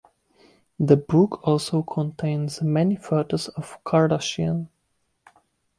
The book also contains many photos of Kardashian.